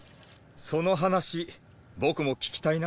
その話僕も聞きたいな。